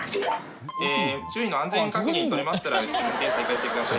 周囲の安全確認取れましたら運転再開してください